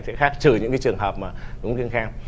thế khác trừ những cái trường hợp mà cũng kiêm khem